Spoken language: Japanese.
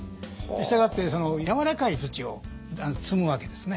したがってやわらかい土を積むわけですね。